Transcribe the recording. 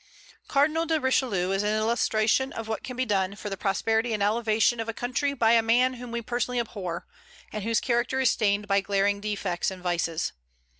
Cardinal de Richelieu is an illustration of what can be done for the prosperity and elevation of a country by a man whom we personally abhor, and whose character is stained by glaring defects and vices.